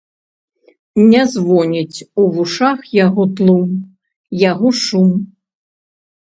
Не звоніць у вушах яго тлум, яго шум.